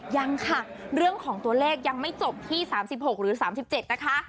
ยังค่ะเรื่องของตัวเลขยังไม่จบที่๓๖หรือ๓๗นะคะ